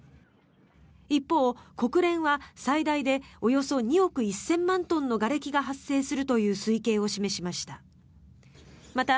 一方、国連は最大でおよそ２億１０００万トンのがれきが発生するという推計を示しました。